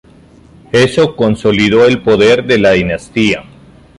Eso consolidó el poder de la dinastía.